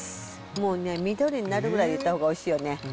もうね、緑になるぐらい入れたほうがおいしいよね。